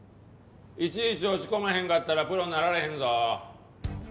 いちいち落ちこまへんかったらプロになられへんぞ。